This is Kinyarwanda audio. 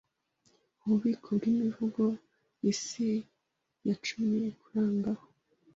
Ububiko bw'Imivugo Isi ya cumi kurngaho